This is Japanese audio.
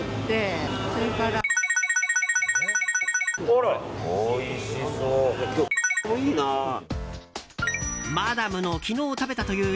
あら、おいしそう。